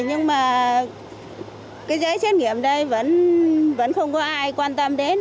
nhưng mà cái giấy xét nghiệm đây vẫn không có ai quan tâm đến